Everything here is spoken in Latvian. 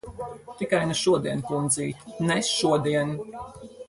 Tikai ne šodien, kundzīt. Ne šodien!